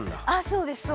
そうです。